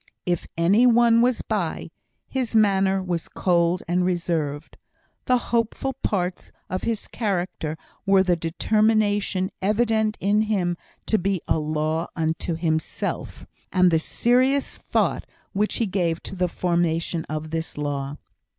If any one was by, his manner was cold and reserved. The hopeful parts of his character were the determination evident in him to be a "law unto himself," and the serious thought which he gave to the formation of this law.